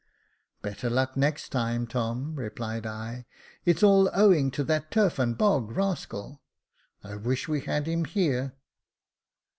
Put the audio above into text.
"Better luck next time, Tom," replied I, "it's all owing to that turf and bog rascal. I wish we had him here."